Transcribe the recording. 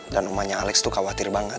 dan omanya alex tuh khawatir banget